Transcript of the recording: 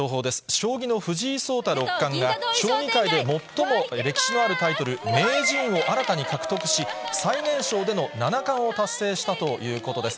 将棋の藤井聡太六冠が将棋界で最も歴史のあるタイトル、名人を新たに獲得し、最年少での七冠を達成したということです。